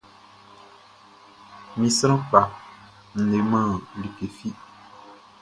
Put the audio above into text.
Mi sran kpa n leman like fi.